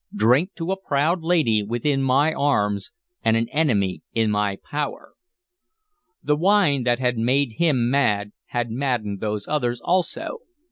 Drink to a proud lady within my arms and an enemy in my power!" The wine that had made him mad had maddened those others, also.